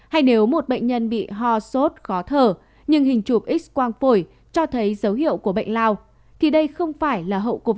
hay nếu một bệnh nhân bị ho sốt khó thở nhưng hình chụp x quang phổi cho thấy dấu hiệu của bệnh lao thì đây không phải là hậu covid một mươi chín